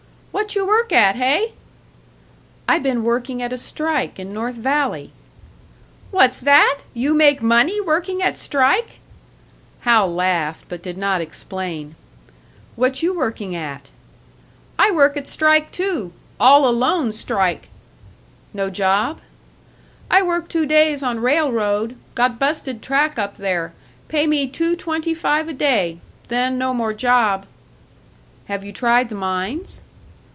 "What you work at, hey?" "I been working at a strike in North Valley." "What's that? You make money working at strike?" Hal laughed, but did not explain. "What you working at?" "I work at strike too all alone strike." "No job?" "I work two days on railroad. Got busted track up there. Pay me two twenty five a day. Then no more job." "Have you tried the mines?"